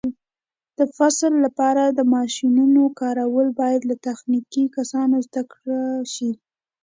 د فصل لپاره د ماشینونو کارونه باید له تخنیکي کسانو زده شي.